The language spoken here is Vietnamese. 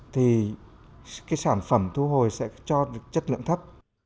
thì cái sản phẩm thu hồi sẽ cho chất lượng thấp